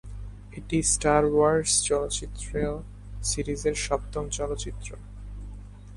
এটি Star Wars চলচ্চিত্র সিরিজের সপ্তম চলচ্চিত্র।